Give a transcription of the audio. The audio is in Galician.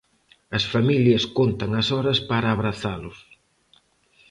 As familias contan as horas para abrazalos.